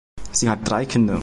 Sie hat drei Kinder.